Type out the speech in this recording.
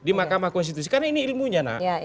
di mahkamah konstitusi karena ini ilmunya nak